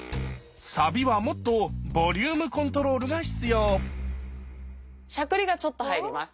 サビはもっとボリュームコントロールが必要しゃくりがちょっと入ります。